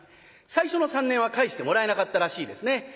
最初の３年は帰してもらえなかったらしいですね。